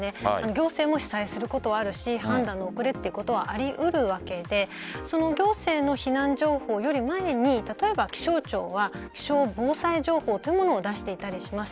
行政も被災することはあるし判断の遅れということはあり得るわけで行政の避難情報より前に例えば気象庁は気象防災情報というものを出していたりします。